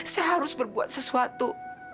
saya harus berbuat sesuatu